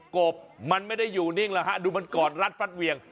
กบมันไม่ได้อยู่นิ่งแล้วฮะดูมันกอดรัดฟัดเวียง